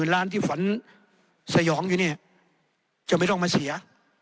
๓๐๐๐๐๔๐๐๐๐ล้านที่ฝันสยองอยู่นี่จะไม่ต้องมาเสีย